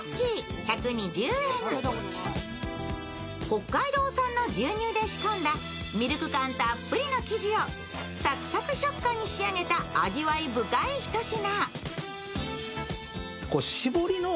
北海道産の牛乳で仕込んだミルク感たっぷりの生地をサクサク食感に仕上げた味わい深いひと品。